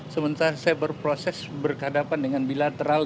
sementara saya berproses berhadapan dengan bilateral